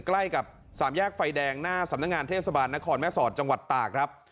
ใกล้กับสามแยกไฟแดงหน้าสำนักงานเทศบาลนครแม่สอดจังหวัดตากครับ